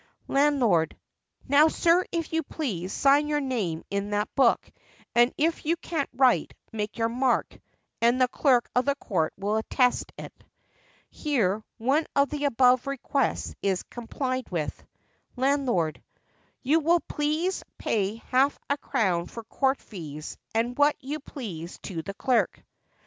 Landlord. Now, sir, if you please, sign your name in that book, and if you can't write, make your mark, and the clerk of the court will attest it. Here one of the above requests is complied with. Landlord. You will please pay half a crown for court fees, and what you please to the clerk.